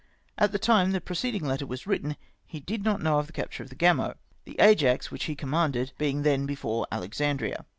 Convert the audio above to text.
At the time the preceding letter was written he did not know of the capture of the Gamo ; the Ajax, which he com manded, being then before Alexandria.